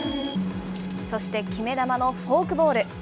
そして決め球のフォークボール。